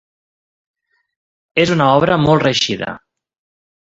És una obra molt reeixida.